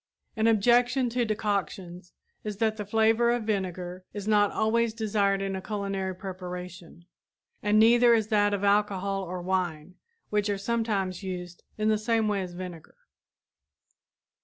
An objection to decoctions is that the flavor of vinegar is not always desired in a culinary preparation, and neither is that of alcohol or wine, which are sometimes used in the same way as vinegar.